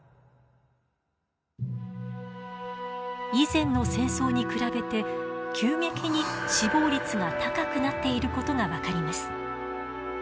以前の戦争に比べて急激に死亡率が高くなっていることが分かります。